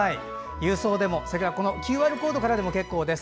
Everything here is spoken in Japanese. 郵送でもＱＲコードでも結構です。